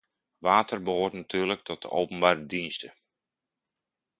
Water behoort natuurlijk tot de openbare diensten.